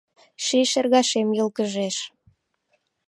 Ший шергашем йылгыжеш.